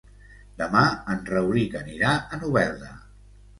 Demà en Rauric anirà a Novelda.